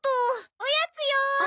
おやつよ。